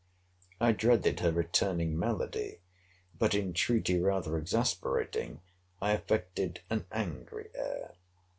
I dreaded her returning malady: but, entreaty rather exasperating, I affected an angry air.